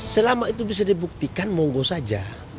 selama itu bisa dibuktikan monggo saja